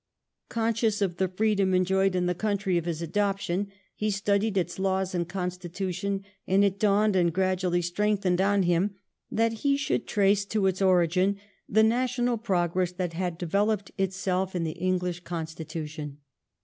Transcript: Con scious of the freedom enjoyed in the country of his adoption, he studied its laws and constitution, and it dawned and gradually strengthened on him that he should trace to its origin the national progress that had developed itself in the Enghsh constitution.